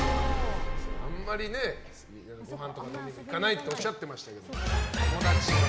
あんまりねごはん食べに行かないって言ってましたけど。